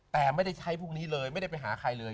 แต่ไม่ได้ใช้พวกนี้เลยไม่ได้ไปหาใครเลย